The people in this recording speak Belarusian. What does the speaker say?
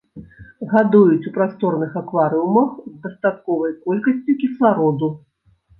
Гадуюць у прасторных акварыумах з дастатковай колькасцю кіслароду.